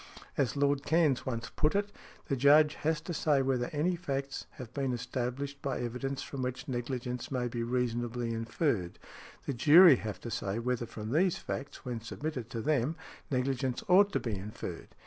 As Lord Cairns once put it, "The Judge has to say whether any facts have been established by evidence from which negligence may be reasonably inferred, the jury have to say whether from these facts, when submitted to them, negligence ought to be inferred."